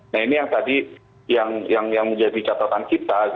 nah ini yang tadi yang menjadi catatan kita